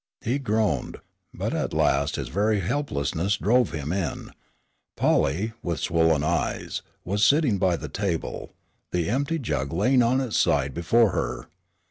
He groaned, but at last his very helplessness drove him in. Polly, with swollen eyes, was sitting by the table, the empty jug lying on its side before her.